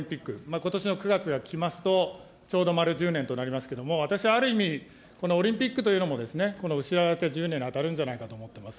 ことしの９月が来ますと、ちょうど丸１０年となりますけれども、私はある意味、このオリンピックというのも、失われた１０年に当たるんじゃないかと思っています。